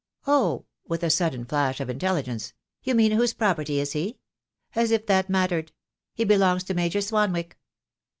"Oh," with a sudden flash of intelligence; "you mean whose property is he? As if that mattered! He belongs to Major Swanwick."